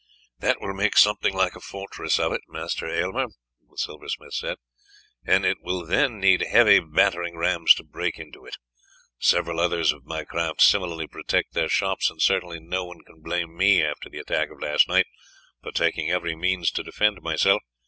"That will make something like a fortress of it, Master Aylmer," the silversmith said, "and it will then need heavy battering rams to break into it. Several others of my craft similarly protect their shops; and certainly no one can blame me, after the attack of last night, for taking every means to defend myself.